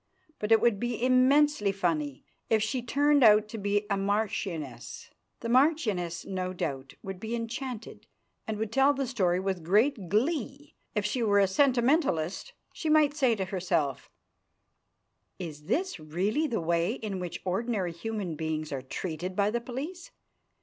But it would be immensely funny if she turned out to be a marchioness. The marchioness, no doubt, would be enchanted, and would tell the story with great glee. If she were a sentimentalist, she might say to herself: "Is this really the way in which ordinary human beings are treated by the police?